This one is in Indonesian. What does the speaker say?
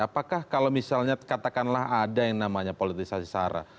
apakah kalau misalnya katakanlah ada yang namanya politisasi sara